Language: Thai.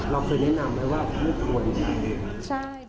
ลองคืนแนะนำไว้ว่าเพียงหัวใช่